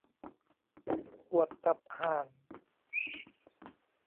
ปวดตับห่าน !